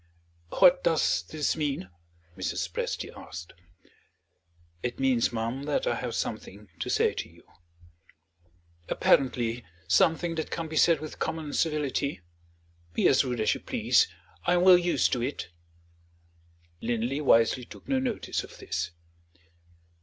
"What does this mean?" Mrs. Presty asked. "It means, ma'am, that I have something to say to you." "Apparently, something that can't be said with common civility? Be as rude as you please; I am well used to it." Linley wisely took no notice of this.